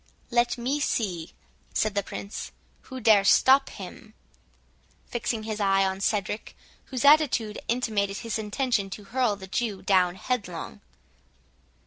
"Let me see," said the Prince, "who dare stop him," fixing his eye on Cedric, whose attitude intimated his intention to hurl the Jew down headlong.